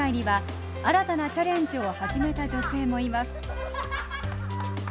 そして競泳界には新たなチャレンジを始めた女性もいます